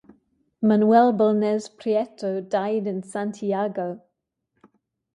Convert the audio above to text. Manuel Bulnes Prieto died in Santiago.